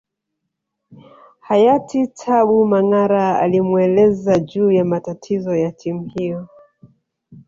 Hayati Tabu Mangara alimueleza juu ya matatizo ya timu hiyo